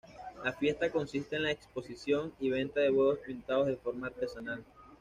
La fiesta consiste en la exposición y venta de huevos pintados de forma artesanal.